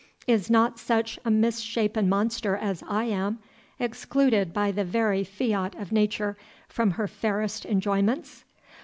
Is not such a mis shapen monster as I am, excluded, by the very fiat of Nature, from her fairest enjoyments?